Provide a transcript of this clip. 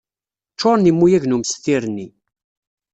Ččuṛen yimuyag n umestir-nni.